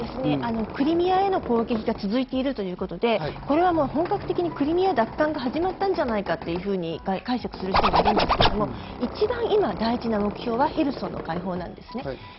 クリミアへの攻撃が続いているということで、これは本格的にクリミア奪還が始まったんじゃないかと解釈する人もいるんですけど、一番今大事な目標はヘルソンの解放なんですね。